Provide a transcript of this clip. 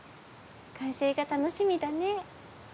完成が楽しみだね。